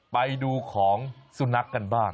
ไปดูของสุนัขกันบ้าง